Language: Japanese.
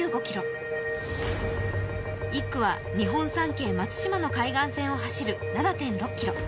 １区は日本三景・松島の海岸を走る７．６ｋｍ。